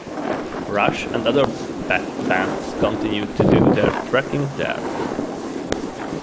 Rush and other bands continued to do their tracking there.